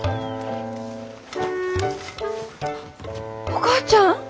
お母ちゃん？